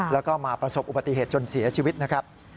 แล้วก็มาประสบอุบัติเหตุจนเสียชีวิตนะครับ